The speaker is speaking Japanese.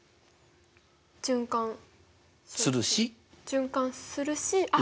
循環するしあっ！